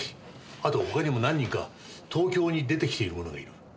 あと他にも何人か東京に出てきている者がいる。